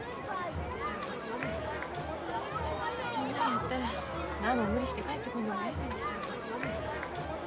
そんなんやったらなんも無理して帰ってこんでもええのに。